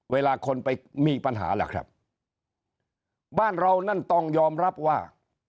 เวลาคนไปมีปัญหาล่ะครับบ้านเรานั่นต้องยอมรับว่า